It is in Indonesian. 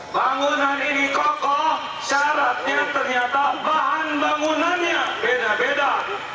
bangunan ini kokoh syaratnya ternyata bahan bangunannya beda beda